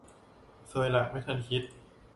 ซวยละ ไม่ทันคิด